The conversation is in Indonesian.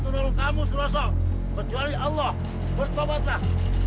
tolong kamu selesai allah bertobatlah